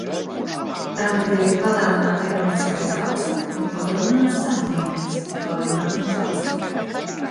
Tātad ir palēnināta ekonomiskā izaugsme, bet palielināts cenu līmenis, palielināta inflācija.